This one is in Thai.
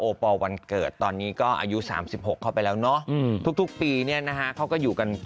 ปอลวันเกิดตอนนี้ก็อายุ๓๖เข้าไปแล้วเนาะทุกปีเนี่ยนะฮะเขาก็อยู่กัน